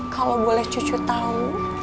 kalau boleh cucu tahu